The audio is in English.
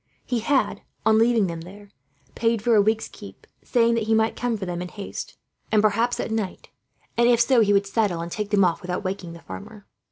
He had, on leaving them there, paid for a week's keep; saying that he might come for them in haste, and perhaps at night, and if so he would saddle and take them off without waking the farmer.